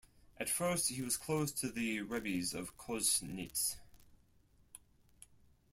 At first he was close to the rebbes of Kozhnitz.